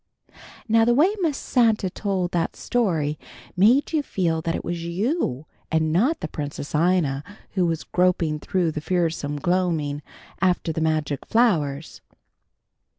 Now the way Miss Santa told that story made you feel that it was you and not the Princess Ina who was groping through the fearsome gloaming after the magic flowers.